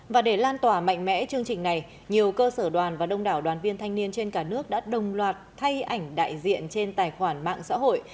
và để lan tỏa mạnh mẽ chương trình này nhiều cơ sở đoàn và đông đảo đoàn viên thanh niên trên cả nước đã đồng loạt thay ảnh đại diện trên tài khoản mạng xã hội